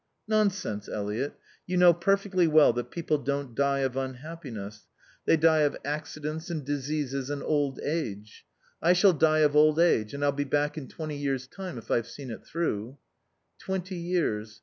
"Nonsense, Eliot. You know perfectly well that people don't die of unhappiness. They die of accidents and diseases and old age. I shall die of old age. And I'll be back in twenty years' time if I've seen it through." "Twenty years.